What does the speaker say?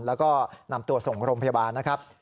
แล้วก็นำตัวส่งโรงพยาบาลนะครับ